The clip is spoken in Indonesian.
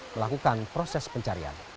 melakukan proses pencarian